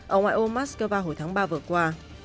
ở ngoại ô moskva hồi tháng ba vừa qua